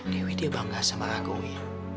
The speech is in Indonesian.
dewi dia bangga sama aku wi